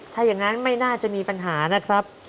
ถ้าอย่างนั้นไม่น่าจะมีปัญหานะครับ